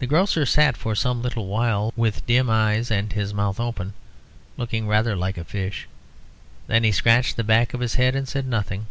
The grocer sat for some little while, with dim eyes and his mouth open, looking rather like a fish. Then he scratched the back of his head, and said nothing.